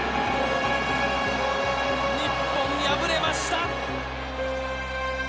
日本敗れました。